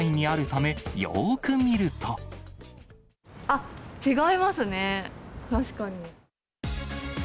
あっ、違いますね、確かに。